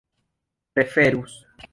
preferus